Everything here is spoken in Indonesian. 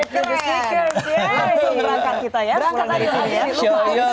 kita ngeluangkan kita ya